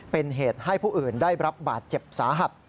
เป็นเหตุให้ผู้อื่นได้รับบาดเจ็บสาหัส